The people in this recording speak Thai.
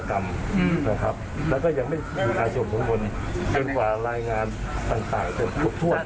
และก็ยังไม่มีการส่งบันทนจนกว่ารายงานต่างเต็มทั่ว